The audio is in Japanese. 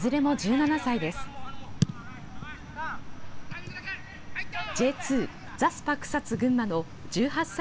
いずれも１７歳です。